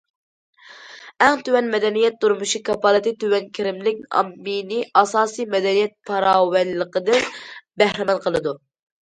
« ئەڭ تۆۋەن مەدەنىيەت تۇرمۇشى كاپالىتى» تۆۋەن كىرىملىك ئاممىنى ئاساسىي مەدەنىيەت پاراۋانلىقىدىن بەھرىمەن قىلىدۇ.